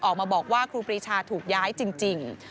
ออกมาบอกว่าครูปรีชาถูกย้ายจริง